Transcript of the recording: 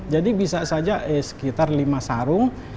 jadi bisa saja sekitar lima sarung